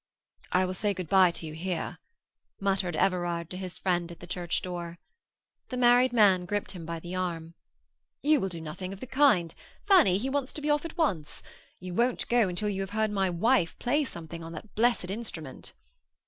"I will say good bye to you here," muttered Everard to his friend at the church door. The married man gripped him by the arm. "You will do nothing of the kind.—Fanny, he wants to be off at once!—You won't go until you have heard my wife play something on that blessed instrument."